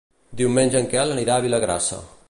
Diumenge en Quel anirà a Vilagrassa.